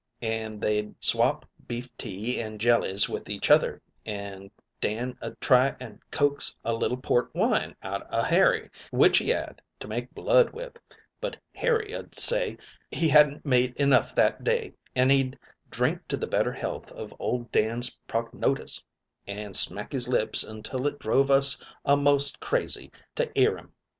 An' they 'ud swop beef tea an' jellies with each other, an' Dan 'ud try an' coax a little port wine out o' Harry, which he 'ad to make blood with, but Harry 'ud say he hadn't made enough that day, an' he'd drink to the better health of old Dan's prognotice, an' smack his lips until it drove us a'most crazy to 'ear him.